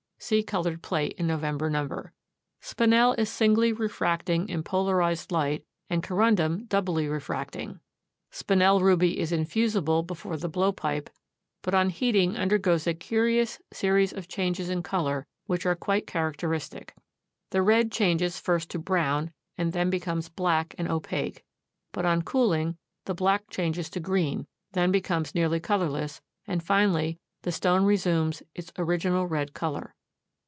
(See colored plate in November number.) Spinel is singly refracting in polarized light and corundum doubly refracting. Spinel ruby is infusible before the blowpipe, but on heating undergoes a curious series of changes in color which are quite characteristic. The red changes first to brown, and then becomes black and opaque, but on cooling the black changes to green, then becomes nearly colorless and finally the stone resumes its original red color.